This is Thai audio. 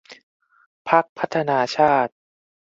พรรคพัฒนาชาติ